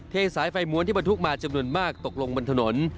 เทสายไฟม้วนที่บรรทุกมาจำนวนมากตกลงบนถนน